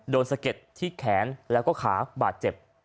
โดนสะเก็ดที่แขนและขาบาดเจ็บ